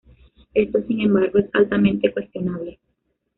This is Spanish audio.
Esto, sin embargo, es altamente cuestionable.